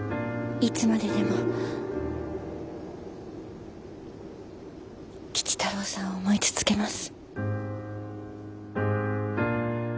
いつまででも吉太郎さんを思い続けます。